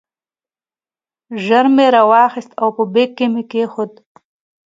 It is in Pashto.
ژر مې را واخیست او په بیک کې مې کېښود.